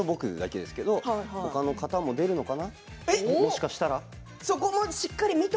僕だけですけれど他の方も出るのかな？